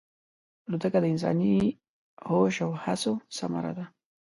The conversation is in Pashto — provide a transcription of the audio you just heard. الوتکه د انساني هوش او هڅو ثمره ده.